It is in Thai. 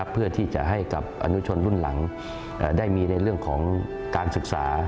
เพื่อที่จะให้กับอนุชนรุ่นหลังได้มีในเรื่องของการศึกษา